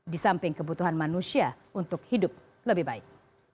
di samping kebutuhan manusia untuk hidup lebih baik